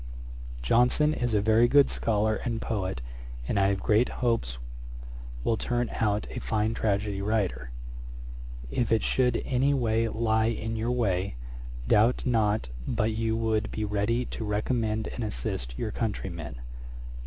Johnson is a very good scholar and poet, and I have great hopes will turn out a fine tragedy writer. If it should any way lie in your way, doubt not but you would be ready to recommend and assist your countryman.